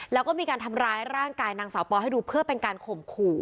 แล้วก็มีการทำร้ายร่างกายนางสาวปอให้ดูเพื่อเป็นการข่มขู่